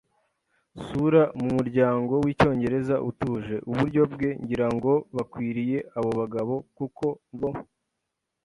sura mumuryango wicyongereza utuje. Uburyo bwe, ngira ngo, bwakiriye abo bagabo, kuko bo